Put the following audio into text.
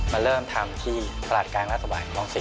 มันเริ่มทำที่ประหลาดกลางราตบาลลองสิ